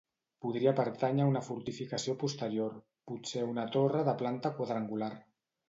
Podria pertànyer a una fortificació posterior, potser una torre de planta quadrangular.